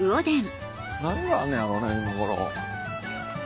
何があるんやろうね今頃。